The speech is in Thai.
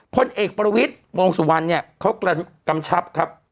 คนเอกประวิทย์โรงสุวรรณเขากำชับ